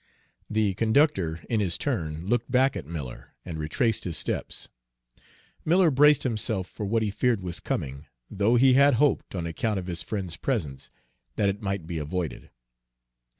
The conductor in his turn looked back at Miller, and retraced his steps. Miller braced himself for what he feared was coming, though he had hoped, on account of his friend's presence, that it might be avoided.